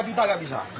dua juta gak bisa